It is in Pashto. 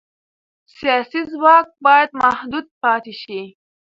سیاسي ځواک باید محدود پاتې شي